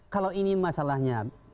kalau ini masalahnya